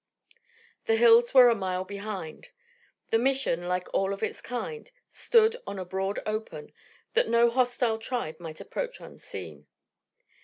The hills were a mile behind. The Mission, like all of its kind, stood on a broad open, that no hostile tribe might approach unseen.